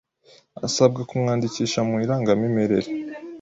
asabwa kumwandikisha mu irangamimerere